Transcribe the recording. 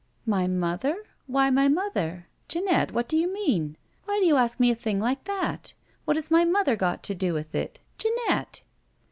"My mother? Why my mother? Jeanette, what do you mean? Why do you ask me a thing like that? What has my mother got to do with it? Jeanette!"